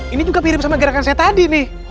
ini juga mirip sama gerakan saya tadi nih